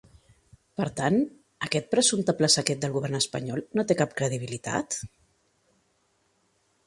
Per tant, aquest presumpte pla secret del govern espanyol no té cap credibilitat?